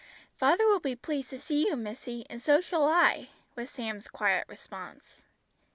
"Father will be pleased to see you, missy, and so shall I," was Sam's quiet response.